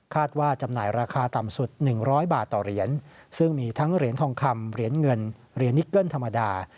ว่าจำหน่ายราคาต่ำสุด๑๐๐บาทต่อเหรียญซึ่งมีทั้งเหรียญทองคำเหรียญเงินเหรียญนิเกิ้ลธรรมดา